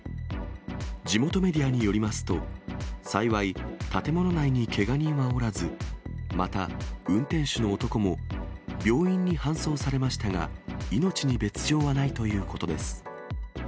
地元メディアによりますと、幸い、建物内にけが人はおらず、また運転手の男も病院に搬送されましたが、命に別状はないということです。